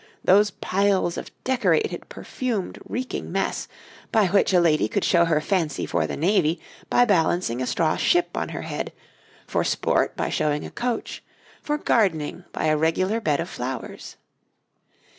Those piles of decorated, perfumed, reeking mess, by which a lady could show her fancy for the navy by balancing a straw ship on her head, for sport by showing a coach, for gardening by a regular bed of flowers.